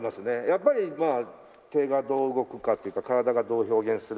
やっぱりまあ手がどう動くかっていうか体がどう表現するか。